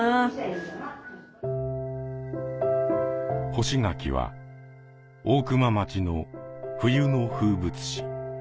干し柿は大熊町の冬の風物詩。